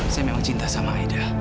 saya memang cinta sama aida